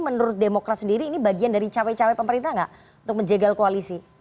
menurut demokrat sendiri ini bagian dari cawe cawe pemerintah nggak untuk menjegal koalisi